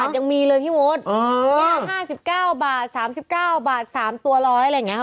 ยังมีเลยพี่มดแก้ว๕๙บาท๓๙บาท๓ตัว๑๐๐อะไรอย่างนี้ค่ะ